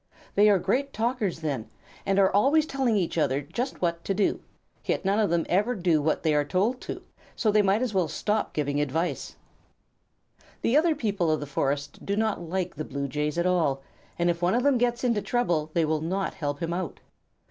They are great talkers then, and are always telling each other just what to do; yet none of them ever do what they are told to, so they might just as well stop giving advice. The other people of the forest do not like the Blue Jays at all, and if one of them gets into trouble they will not help him out.